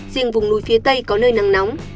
riêng vùng núi phía tây có nơi nắng nóng